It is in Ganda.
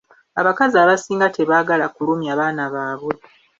Abakazi abasinga tebaagala kulumya baana baabwe.